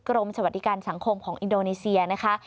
กรมสวัสดิการสังคมของอินโดนีเซียนะคะ